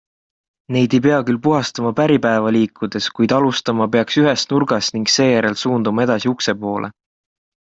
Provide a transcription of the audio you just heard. Neid ei pea küll puhastama päripäeva liikudes, kuid alustama peaks ühest nurgast ning seejärel suunduma edasi ukse poole.